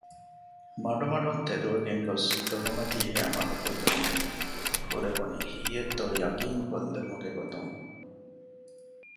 މަޑުމަޑުން ތެދުވެގެންގޮސް ދޮރުމަތީގައި މަޑުކޮށްލެވުނީ ކުރެވުނީ ހީއެއްތޯ ޔަޤީންކޮށްލުމުގެ ގޮތުން